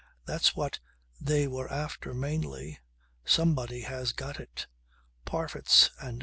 That's what they were after mainly. Somebody has got it. Parfitts and Co.